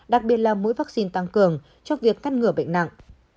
đặc biệt là mũi vaccine tăng cường cho việc phát ngừa bệnh nặng